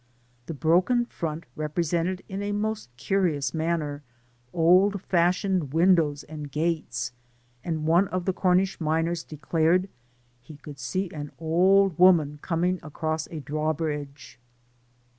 The broken front represented, in a most curious manner, old fashioned windows and gates, and one of the Cornish miners declared " he could see an old woman coming across a draw bridge."